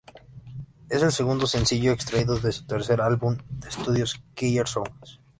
Es el segundo sencillo extraído de su tercer álbum de estudio Killer Sounds.